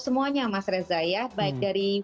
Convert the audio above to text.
semuanya mas reza ya baik dari